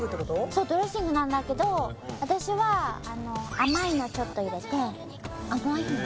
そうドレッシングなんだけど私はあの甘いのちょっと入れて甘いの？